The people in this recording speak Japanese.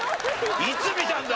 いつ見たんだ！